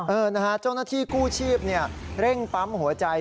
นะฮะเจ้าหน้าที่กู้ชีพเร่งปั๊มหัวใจ